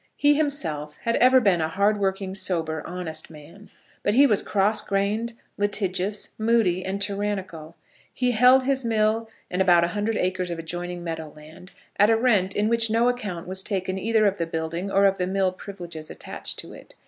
He himself had ever been a hardworking, sober, honest man. But he was cross grained, litigious, moody, and tyrannical. He held his mill and about a hundred acres of adjoining meadow land at a rent in which no account was taken either of the building or of the mill privileges attached to it.